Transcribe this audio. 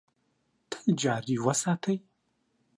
تل جاري وساتي .